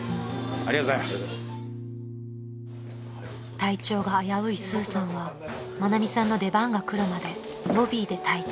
［体調が危ういスーさんは愛美さんの出番が来るまでロビーで待機］